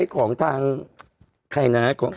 พี่โอ๊คบอกว่าเขินถ้าต้องเป็นเจ้าภาพเนี่ยไม่ไปร่วมงานคนอื่นอะได้